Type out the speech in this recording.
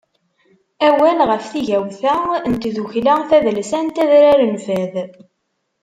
Awal ɣef tigawt-a n tdukkla tadelsant Adrar n Fad.